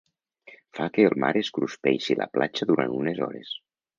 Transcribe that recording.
Fa que el mar es cruspeixi la platja durant unes hores.